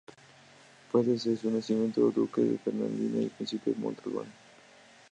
Fue desde su nacimiento duque de Fernandina y príncipe de Montalbán.